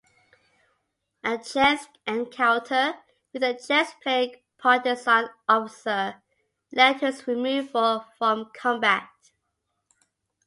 A chance encounter with a chess-playing partisan officer led to his removal from combat.